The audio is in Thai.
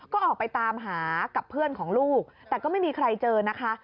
ก็ออกไปตามหากับเพื่อนของลูกแต่ก็ไม่มีใครเจอนะคะ